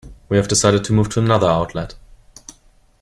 We have decided to move to another outlet.